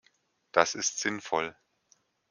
Das ist sinnvoll.